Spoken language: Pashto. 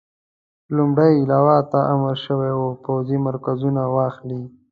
لومړۍ لواء ته امر شوی وو پوځي مرکزونه واخلي.